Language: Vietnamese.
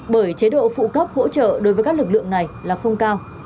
bởi chế độ phụ cấp hỗ trợ đối với các lực lượng này là không cao